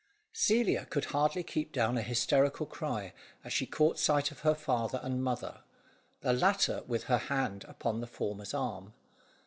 Celia could hardly keep down a hysterical cry, as she caught sight of her father and mother, the latter with her hand upon the former's arm.